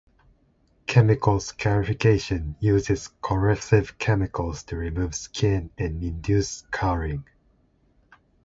Chemical scarification uses corrosive chemicals to remove skin and induce scarring.